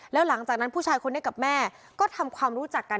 แล้วหลังจากนั้นผู้ชายคนนี้กับแม่ก็ทำความรู้จักกัน